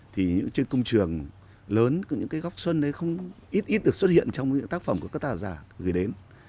thì trên công trường lớn những cái góc xuân ấy không ít ít được xuất hiện trong những tác phẩm của các tà giả gửi đến